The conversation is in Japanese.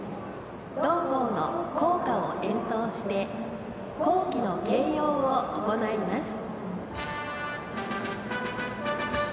同校の校歌を演奏して校旗の掲揚を行います。